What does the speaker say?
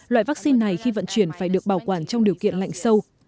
loại vắc xin này khi vận chuyển phải được bảo quản trong điều kiện lạnh sâu